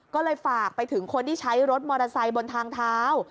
ก็เลยฝากไปถึงคนที่ใช้รถมอเตอร์ไซค์บนทางเท้า